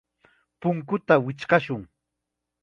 Punkuta wichqashun.